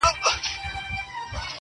ما مينه ورکړله، و ډېرو ته مي ژوند وښودئ~